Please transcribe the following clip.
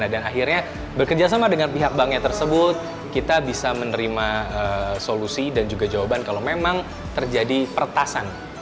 dan akhirnya bekerjasama dengan pihak banknya tersebut kita bisa menerima solusi dan juga jawaban kalau memang terjadi pertasan